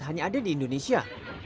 hanya ada di indonesia